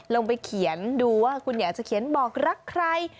ลงไปเขียนดูว่าคุณอยากจะเขียนบอกรักใคร